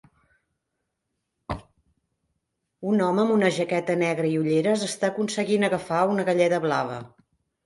Un home amb una jaqueta negra i ulleres està aconseguint agafar una galleda blava.